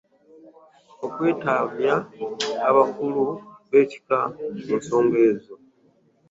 Okwetabya abakulu b’ekika mu nsonga ezo.